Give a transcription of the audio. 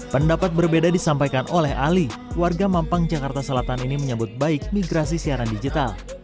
pendapat berbeda disampaikan oleh ali warga mampang jakarta selatan ini menyambut baik migrasi siaran digital